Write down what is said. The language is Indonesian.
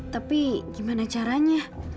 tapi gimana caranya